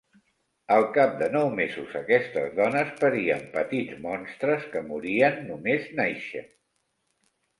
Al cap de nou mesos aquestes dones parien petits monstres que morien només nàixer.